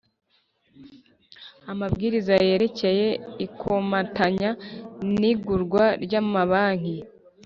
Amabwiriza yerekeye ikomatanya n igurwa ry amabanki